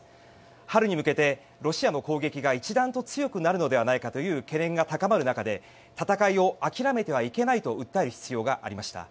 春に向けてロシアの攻撃が一段と強くなるのではないかという懸念が高まる中で戦いを諦めてはいけないと訴える必要がありました。